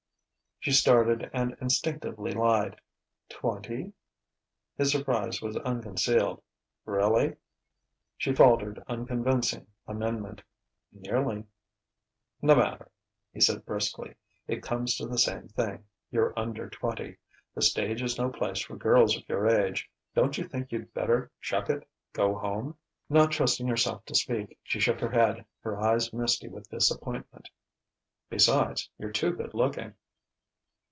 She started and instinctively lied: "Twenty...." His surprise was unconcealed: "Really?" She faltered unconvincing amendment: "Nearly." "No matter," he said briskly. "It comes to the same thing: you're under twenty. The stage is no place for girls of your age. Don't you think you'd better chuck it go home?" Not trusting herself to speak, she shook her head, her eyes misty with disappointment. "Besides, you're too good looking...."